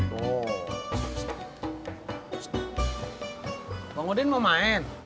bang udin mau main